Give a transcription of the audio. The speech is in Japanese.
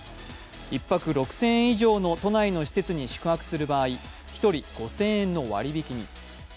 １泊６０００円以上の都内の施設に宿泊する場合１人５０００円の割り引きに。